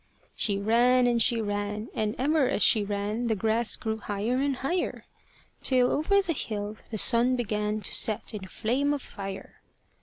She ran, and she ran, and ever as she ran, The grass grew higher and higher; Till over the hill the sun began To set in a flame of fire.